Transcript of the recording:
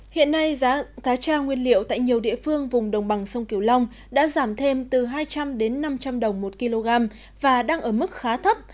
hiện nay giá cá tra nguyên liệu tại nhiều địa phương vùng đồng bằng sông kiều long đã giảm thêm từ hai trăm linh đến năm trăm linh đồng một kg và đang ở mức khá thấp